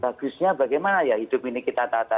bagusnya bagaimana ya hidup ini kita tata